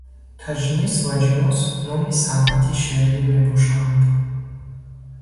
Таҷнис ва ҷинос номи санъати шеърӣ мебошанд.